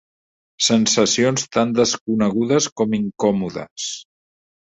Sensacions tan desconegudes com incòmodes.